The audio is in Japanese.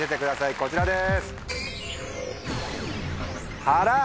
こちらです。